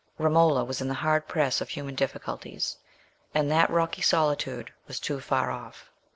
Romola was in the hard press of human difficulties, and that rocky solitude was too far off.